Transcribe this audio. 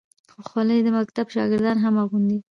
خولۍ د مکتب شاګردان هم اغوندي.